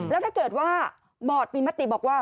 แล้วถ้าเกิดว่าบอร์ดมีมติบอกว่า